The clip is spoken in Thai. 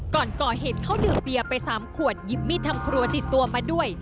ก่อนก่อเหตุเขาดื่มเบียร์ไป๓ขวดหยิบมีดทำครัวติดตัวมาด้วย